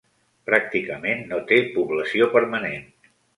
Pràcticament no té població permanent.